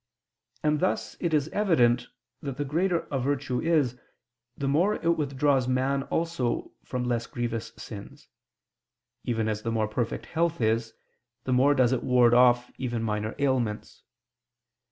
And thus it is evident that the greater a virtue is, the more it withdraws man also from less grievous sins: even as the more perfect health is, the more does it ward off even minor ailments.